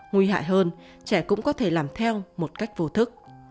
nguy hại hơn trẻ cũng có thể làm theo một cách vô thức